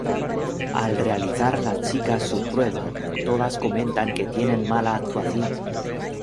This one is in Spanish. Al realizar las chicas su prueba, todas comentan que tienen mala actuación.